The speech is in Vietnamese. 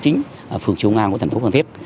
ở phường chiêu nga của thành phố văn thét